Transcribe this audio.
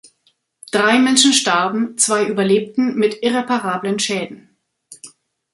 Drei Menschen starben, zwei überlebten mit irreparablen Schäden.